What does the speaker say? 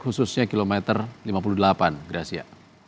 khususnya kilometer lima puluh delapan gracia